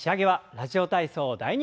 「ラジオ体操第２」。